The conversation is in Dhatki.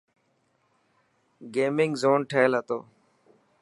گيمنگ زون ٺهيل هتو.